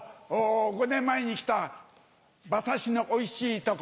５年前に来た馬刺しのおいしい所。